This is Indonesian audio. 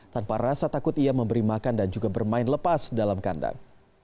tanpa rasa takut ia memberi makan dan juga bermain lepas dalam kandang